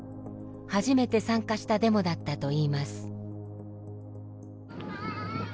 初めて参加したデモだったといいます。